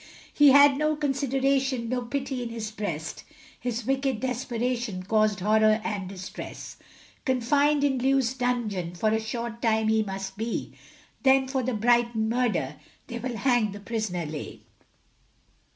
He had no consideration, No pity in his breast, His wicked desperation Caused horror and distress Confined in Lewes dungeon, For a short time he must be, Then for the Brighton murder, They will hang the prisoner Leigh.